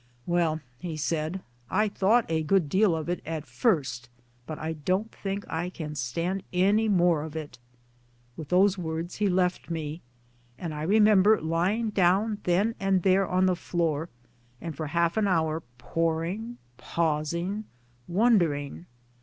" Well," he said, " I thought a good deal of it at first, but I don't think I can stand any more of it." With those words he left me ; and I remember lying down then and there on the floor and for half an hour poring, pausing, wondering.